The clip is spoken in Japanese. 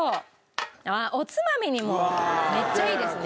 あっおつまみにもめっちゃいいですね。